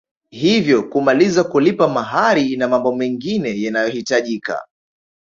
Hivyo kumaliza kulipa mahari na mambo mengine yanayohitajika